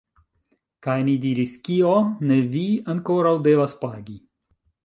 Kaj ni diris: Kio? Ne, vi ankoraŭ devas pagi.